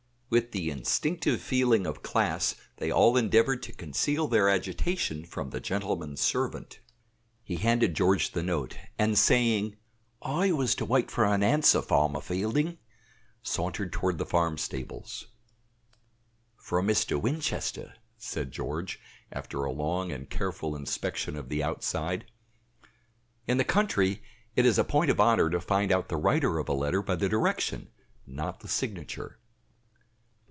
With the instinctive feeling of class they all endeavored to conceal their agitation from the gentleman's servant. He handed George the note, and saying, "I was to wait for an answer, Farmer Fielding," sauntered toward the farm stables. "From Mr. Winchester," said George, after a long and careful inspection of the outside. In the country it is a point of honor to find out the writer of a letter by the direction, not the signature.